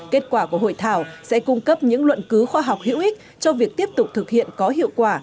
kết quả của hội thảo sẽ cung cấp những luận cứu khoa học hữu ích cho việc tiếp tục thực hiện có hiệu quả